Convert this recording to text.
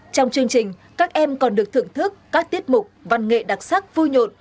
trong chương trình các em còn được thưởng thức các tiết mục văn nghệ đặc sắc vui nhộn